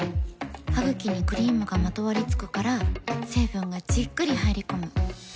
ハグキにクリームがまとわりつくから成分がじっくり入り込む。